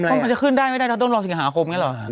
เพราะมันจะขึ้นได้ไม่ได้ถ้าต้องรอสิงหาคมอย่างนี้หรอครับ